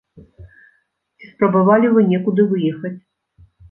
Ці спрабавалі вы некуды выехаць?